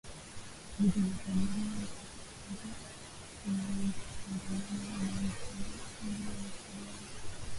Uidhinishaji huo mpya unabatilisha uamuzi wa Rais wa zamani wa Marekani wa elfu mbili na ishirini